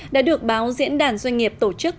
đã được báo diễn đàn doanh nghiệp tổ chức